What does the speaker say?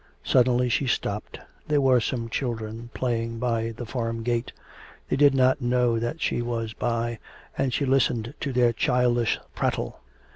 Suddenly she stopped; there were some children playing by the farm gate. They did not know that she was by, and she listened to their childish prattle.